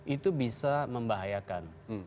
itu bisa membahayakan